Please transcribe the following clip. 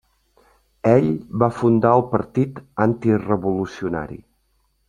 Ell va fundar el Partit Antirevolucionari.